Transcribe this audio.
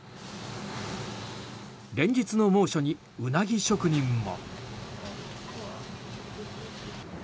連日の猛暑にウナギ職人も。